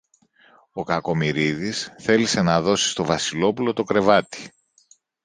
Ο Κακομοιρίδης θέλησε να δώσει στο Βασιλόπουλο το κρεβάτι.